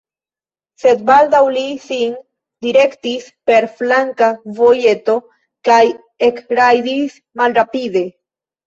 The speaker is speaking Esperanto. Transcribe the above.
Sed baldaŭ li sin direktis per flanka vojeto kaj ekrajdis malrapide.